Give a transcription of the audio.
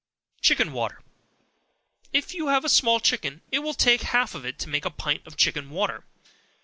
Chicken Water. If you have a small chicken, it will take half of it to make a pint of chicken water.